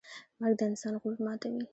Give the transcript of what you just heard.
مرګ د انسان غرور ماتوي.